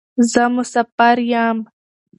زه مسافر یم.